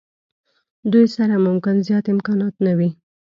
دوی سره ممکن زیات امکانات نه وي.